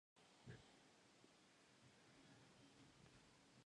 Está lejos de un tener sonido como para sencillo.